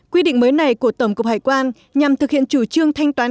quy định mới này của tổng cục hải quan nhằm thực hiện chủ trương thanh toán